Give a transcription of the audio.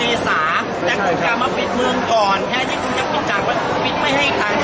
อาหรับเชี่ยวจามันไม่มีควรหยุด